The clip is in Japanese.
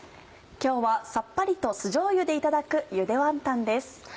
今日はさっぱりと酢じょうゆでいただく「ゆでワンタン」です。